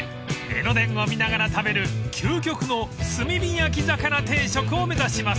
［江ノ電を見ながら食べる究極の炭火焼き魚定食を目指します］